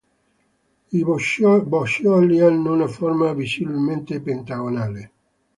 I boccioli hanno una forma visibilmente pentagonale.